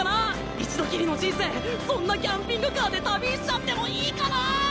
一度きりの人生そんなキャンピングカーで旅しちゃってもいいかなぁ